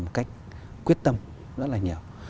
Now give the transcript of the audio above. một cách quyết tâm rất là nhiều